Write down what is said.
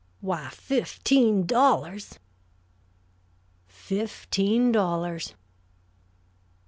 Why, fifteen dollars!" "Fifteen dollars!"